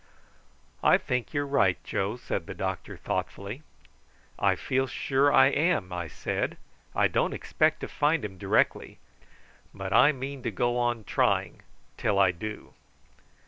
"I think you are right, Joe," said the doctor thoughtfully. "I feel sure I am," I said. "I don't expect to find him directly; but I mean to go on trying till I do."